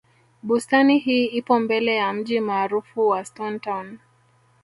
bustani hii ipo mbele ya mji maarufu wa stone town